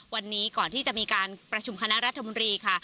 วันนี้ก่อนที่จะมีการประชุมคณะรัฐมนตรีค่ะ